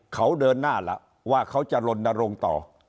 เขาเดินหน้าล่ะว่าเขาจะลนรงค์ต่อ